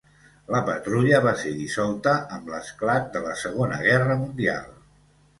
La patrulla va ser dissolta amb l'esclat de la Segona Guerra Mundial.